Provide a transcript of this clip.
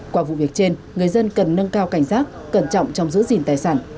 qua vụ việc trên người dân cần nâng cao cảnh giác cẩn trọng trong giữ gìn tài sản